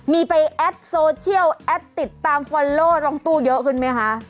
มีไปแอดโซเชียลแอดติดตามฟอลโลร้องตู้เยอะขึ้นไหมคะ